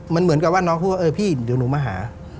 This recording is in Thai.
มันเหมือนกับว่าน้องเขาพูดว่าเออพี่เดี๋ยวหนูมาหา